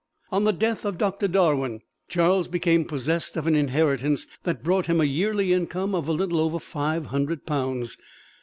On the death of Doctor Darwin, Charles became possessed of an inheritance that brought him a yearly income of a little over five hundred pounds.